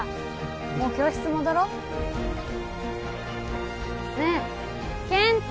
もう教室戻ろうねえ健太！